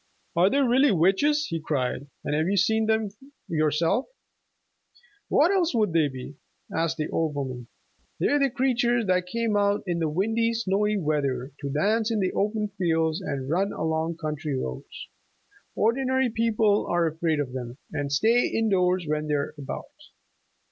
"Are they really witches?" he cried. "And have you seen them yourself?" "What else would they be?" asked the old woman. "They're the creatures that come out in windy, snowy weather, to dance in the open fields and run along country roads. Ordinary people are afraid of them and stay indoors when they're about.